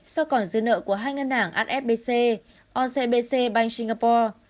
so với còn dư nợ của hai ngân hàng asfbc ocbc bank singapore